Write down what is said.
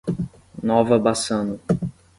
Nova Bassano